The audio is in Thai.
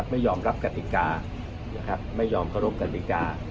ไม่ยอมรับกฎิกาไม่ยอมพรุกกฎิกา